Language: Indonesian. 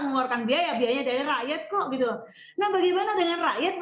gr di mahkamah konstitusi